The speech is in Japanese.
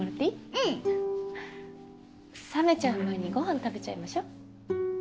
うん。冷めちゃう前にご飯食べちゃいましょ。